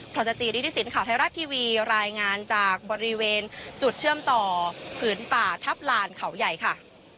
รัชจีริธิสินข่าวไทยรัฐทีวีรายงานจากบริเวณจุดเชื่อมต่อผืนป่าทัพลานเขาใหญ่ค่ะ